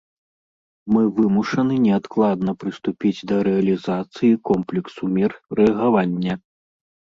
Мы вымушаны неадкладна прыступіць да рэалізацыі комплексу мер рэагавання.